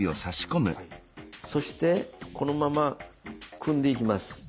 そしてこのまま組んでいきます。